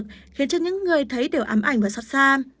khiến cho những người thấy điều ám ảnh và xót xa